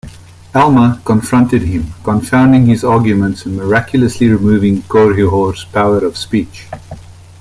Alma confronted him, confounding his arguments and miraculously removing Korihor's power of speech.